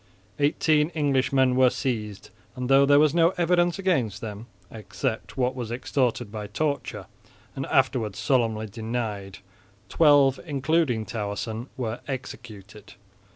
Eighteen Englishmen were seized, and though there was no evidence against them, except what was extorted by torture and afterwards solemnly denied, twelve, including Towerson, were executed.